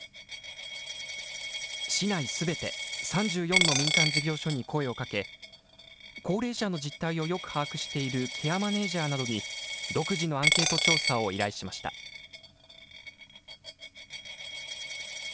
市内すべて、３４の民間事業所に声をかけ、高齢者の実態をよく把握しているケアマネージャーなどに、独自のアンケート調査を依頼しました。